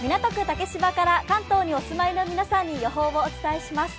竹芝から関東にお住まいの皆さんに予報をお伝えします。